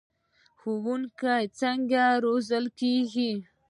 ښوونکي څنګه روزل کیږي؟